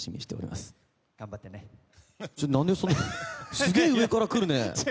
すげえ上からくるね。